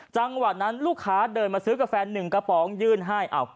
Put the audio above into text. จังหวะนั้นลูกค้าเดินมาซื้อกาแฟ๑กระป๋องยื่นให้